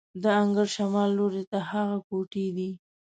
د انګړ شمال لوري ته هغه کوټې دي.